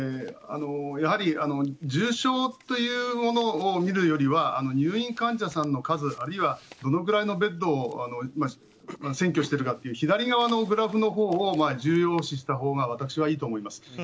やはり重症というものを見るよりは入院患者さんの数あるいはどのくらいのベッドを今、占拠しているのかという左側のグラフを重要視したほうが私はいいと思います。